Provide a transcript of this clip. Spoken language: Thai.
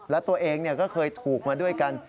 และตัวเองก็เคยถูกมาด้วยกัน